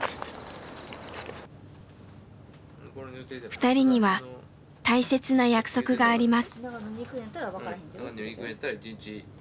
２人には大切な約束があります。